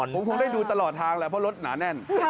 ผมคงได้ดูตลอดทางแหละเพราะรถหนาแน่น